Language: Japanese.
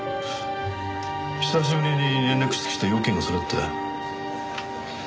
久しぶりに連絡してきた用件がそれって。